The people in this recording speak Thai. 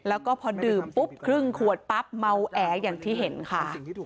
แล้วก็พอดื่มปุ๊บครึ่งขวดปั๊บเมาแออย่างที่เห็นค่ะ